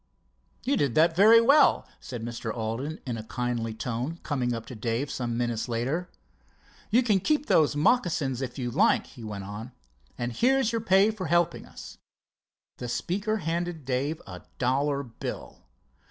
"You did that very well," said Mr. Alden in a kindly tone, coming up to Dave some minutes later. "You can keep those moccasins if you like," he went on. "And here's your pay for helping us." The speaker handed Dave a dollar bill.